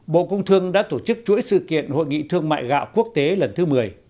bộ công thương đã tổ chức chuỗi sự kiện hội nghị thương mại gạo quốc tế lần thứ một mươi